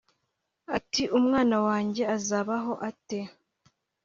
Ati “Umwana wanjye azabaho ate